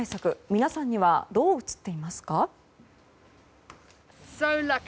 皆さんにはどう映っていますか？